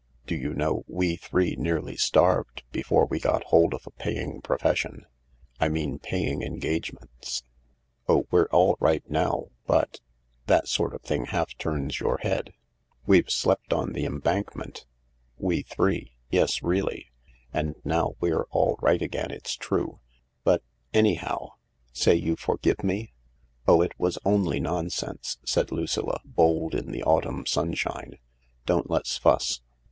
Do you know, we three nearly starved before we got hold of a paying profession' — I mean paying ergage ments ? Oh, we're all right now, but— that sort of thing half turns your head. We've slept on the Embankment, 272 THE LARK 273 we three — yes, really. And now we're all right again it's true. But — anyhow — say you forgive me ?" "Oh, it was only nonsense," said Lucilla, bold in the autumn sunshine ;" don't let's fuss.